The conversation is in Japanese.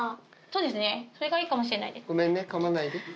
それがいいかもしれないです。